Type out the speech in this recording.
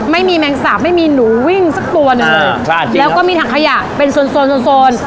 ไม่มีแมงสาปไม่มีหนูวิ่งสักตัวหนึ่งเลยแล้วก็มีถักขยะเป็นส่วนส่วนส่วนส่วน